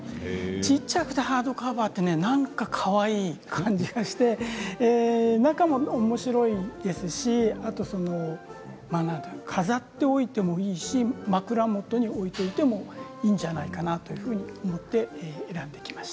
ちっちゃくてハードカバーってなんかかわいい感じがして中もおもしろいですしあと、飾っておいてもいいし枕元に置いておいてもいいんじゃないかなというふうに思って選んできました。